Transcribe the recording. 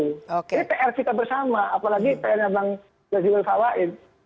jadi pr kita bersama apalagi pengennya bang jajil fawai